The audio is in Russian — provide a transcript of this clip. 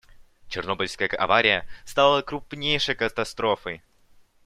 Чернобыльская авария стала крупнейшей катастрофой.